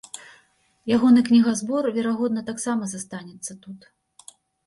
Ягоны кнігазбор, верагодна, таксама застанецца тут.